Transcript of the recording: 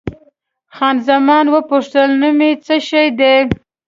خان زمان وپوښتل، نوم یې څه شی دی؟